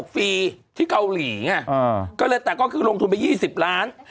ฟรีที่เกาหลีไงก็เลยแต่ก็คือลงทุนไป๒๐ล้าน